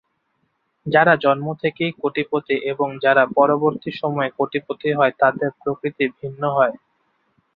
যারা জন্ম থেকেই কোটিপতি এবং যারা পরবর্তী সময়ে কোটিপতি হয় তাদের প্রকৃতি ভিন্ন হয়?